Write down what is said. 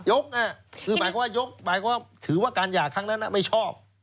คือหมายความว่ายกหมายความถือว่าการหย่าครั้งนั้นไม่ชอบ